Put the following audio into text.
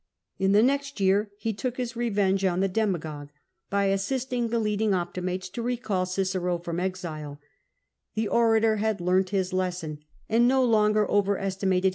In the next year he took his revenge on the demagogue, by assist ing tlxe leading Optimates to recall Cicero from exile, The orator had learnt his lesson, and no longer over esti From the !